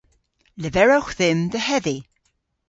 Leverewgh dhymm dhe hedhi.